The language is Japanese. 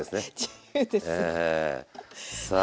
自由です。さあ。